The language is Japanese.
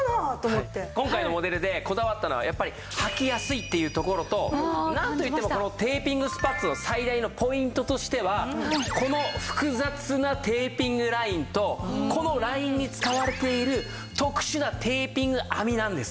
今回のモデルでこだわったのはやっぱりはきやすいっていうところとなんといってもこのテーピングスパッツの最大のポイントとしてはこの複雑なテーピングラインとこのラインに使われている特殊なテーピング編みなんです。